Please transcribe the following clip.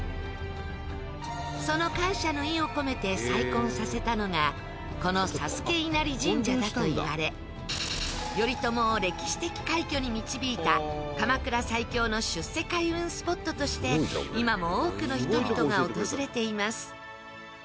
その感謝の意を込めて再建させたのがこの佐助稲荷神社だといわれ頼朝を歴史的快挙に導いた鎌倉最強の出世開運スポットとして今も多くの人々が訪れています。